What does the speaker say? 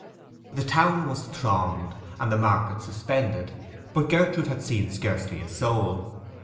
The town was thronged, and the market suspended; but Gertrude had seen scarcely a soul.